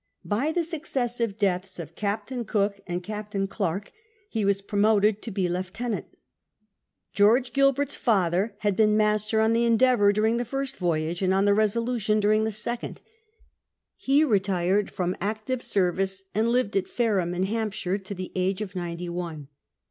By the successive deaths of Captain Cook and Captain Clerke he was promoted to be lieutenant. . George Gilbert's father had been master on the Endeavour during the first voyage, and on the Resolution during the second, lie retired fi'oin active service, and lived at Fareham in Hampshire to the age of ninety one.